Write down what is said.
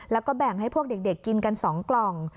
แล้วก็แบ่งให้พวกเด็กกินกัน๒กล่อง